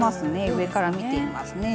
上から見てますね。